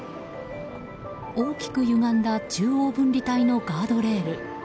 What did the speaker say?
大きくゆがんだ中央分離帯のガードレール。